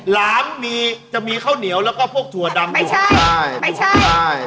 หลามจะมีข้าวเหนียวแล้วก็พวกถั่วดำดู